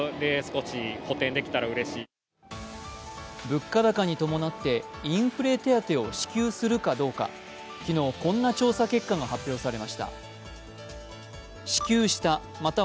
物価高に伴ってインフレ手当を支給するかどうか、昨日、こんな調査結果が発表されました。